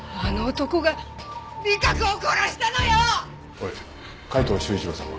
おい海東柊一郎さんは？